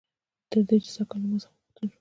تر دې چې سږ کال له ما څخه وغوښتل شول